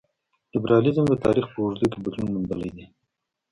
لېبرالیزم د تاریخ په اوږدو کې بدلون موندلی دی.